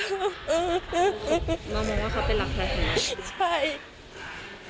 เรามองว่าเขาเป็นรักใครขนาดนี้